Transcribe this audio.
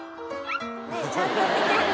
ちゃんと見てる。